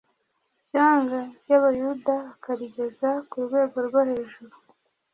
ishyanga ry'Abayuda akarigeza ku rwego rwo hejuru;